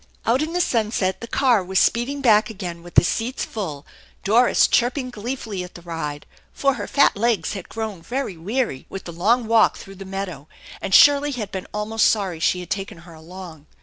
Out in the sunset the car was speeding back again with THE ENCHANTED BARN 151 the seats full, Doris chirping gleefully at the ride, for her fat legs had grown very weary with the long walk through the meadow and Shirley had been almost sorry she had taken her along.